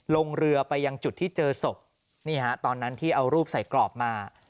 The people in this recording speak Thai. ลงเรือไปยังจุดที่เจอศพนี่ฮะตอนนั้นที่เอารูปใส่กรอบมา